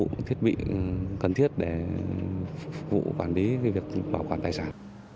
những thiết bị cần thiết để phục vụ quản lý việc bảo quản tài sản